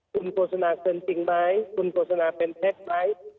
คุณโฆสณาเป็นจริงไหมคุณโฆสณาเป็นแพทรไหม